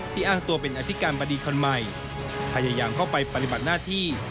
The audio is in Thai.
อ้างตัวเป็นอธิการบดีคนใหม่พยายามเข้าไปปฏิบัติหน้าที่